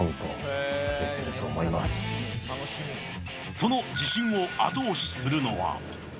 その自信を後押しするのは。